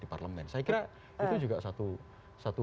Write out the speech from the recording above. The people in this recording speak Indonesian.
di parlemen saya kira itu juga satu